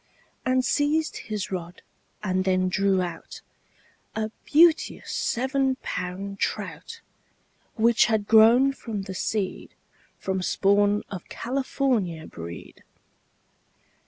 And seized his rod and then drew out A beauteous seven pound trout, Which had grown from the seed From spawn of California breed.